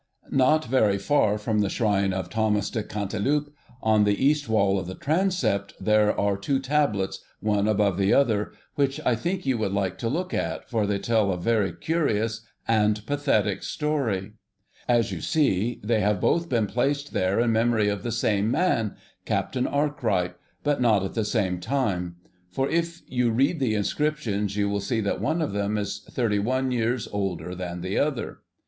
Not very far from the shrine of Thomas de Cantilupe, on the east wall of the transept, there are two tablets, one above the other, which I think you would like to look at, for they tell a very curious and pathetic story. As you see, they have both been placed there in memory of the same man, Captain Arkwright, but not at the same time. For if you read the inscriptions you will see that one of them is thirty one years older than the other.